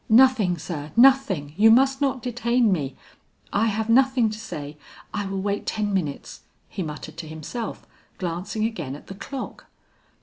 "Nothing sir, nothing. You must not detain me; I have nothing to say. I will wait ten minutes," he muttered to himself, glancing again at the clock.